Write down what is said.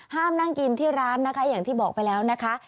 นั่งกินที่ร้านนะคะอย่างที่บอกไปแล้วนะคะ